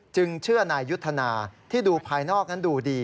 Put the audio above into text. จึงเชื่อนายยุทธนาที่ดูภายนอกดูดี